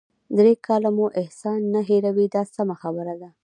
درې کاله مو احسان نه هیروي دا سمه خبره ده.